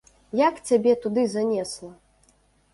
Як цябе туды занесла?